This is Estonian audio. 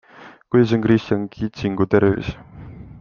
Kuidas on Kristjan Kitsingu tervis?